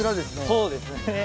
そうですね。